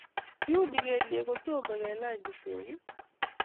Kiunii kelyek kotomo kelany kitoku